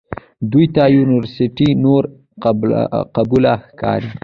ده ته یونورسټي نوره قبوله ښکاري.